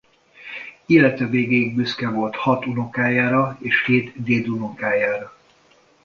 Élete végéig büszke volt hat unokájára és hét dédunokájára.